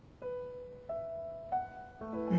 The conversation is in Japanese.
うん。